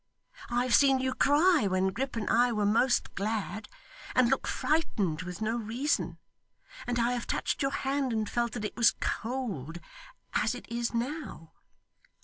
I have seen you cry when Grip and I were most glad; and look frightened with no reason; and I have touched your hand, and felt that it was cold as it is now.